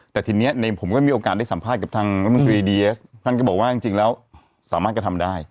แต่ทีเนี้ยในผมก็มีโอกาสได้สัมภาษณ์กับทางดีเอสทางก็บอกว่าจริงจริงแล้วสามารถทำได้